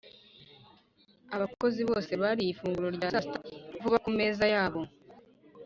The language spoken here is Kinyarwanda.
abakozi bose bariye ifunguro rya sasita vuba ku meza yabo.